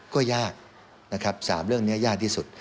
ก็ยากนะครับ๓เรื่องนี้ยากที่สุด